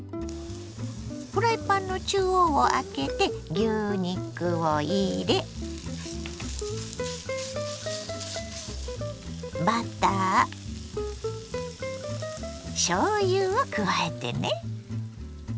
フライパンの中央をあけて牛肉を入れバターしょうゆを加えてね。